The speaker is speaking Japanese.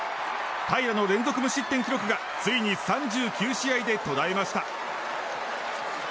平良の連続無失点記録がついに３９試合で途絶えました。